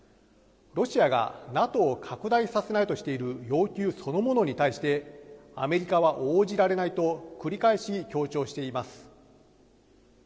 ロシアがＮＡＴＯを拡大させないとしている要求そのものに対して、アメリカは応じられないと繰り返し強調しています。